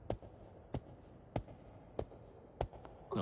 あ？